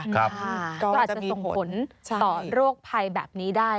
ก็อาจจะส่งผลต่อโรคภัยแบบนี้ได้